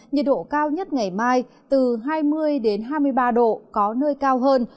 nhiệt độ cao nhất ngày mai từ hai mươi hai mươi ba độ có nơi cao hơn